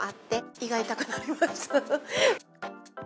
胃が痛くなりました。